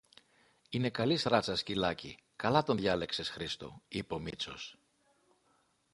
Είναι καλής ράτσας σκυλάκι, καλά τον διάλεξες, Χρήστο, είπε ο Μήτσος